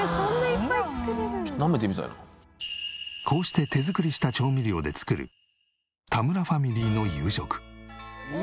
こうして手作りした調味料で作る田村ファミリーの夕食。